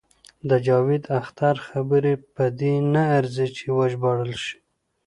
د جاوید اختر خبرې په دې نه ارزي چې وژباړل شي.